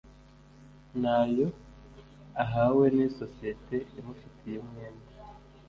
ni ayo ahawe n’isosiyete imufitiye umwenda